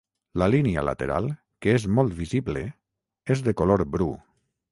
La línia lateral, que és molt visible, és de color bru.